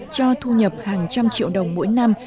cho thu nhập hàng trăm triệu đồng mỗi năm